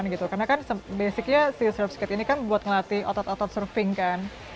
karena kan basicnya si surfskate ini kan buat ngelatih otot otot surfing kan